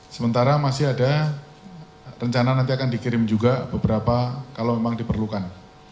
sementara masih ada rencana nanti akan dikirim juga beberapa kalau memang diperlukan